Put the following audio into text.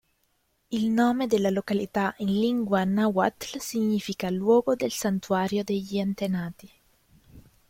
Il nome della località in lingua nahuatl significa "luogo del santuario degli antenati".